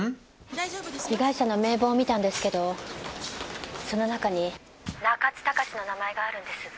被害者の名簿を見たんですけどその中に中津隆志の名前があるんです。